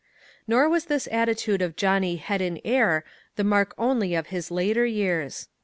Nor was this attitude of Johnny Head in Air the mark only of his later years.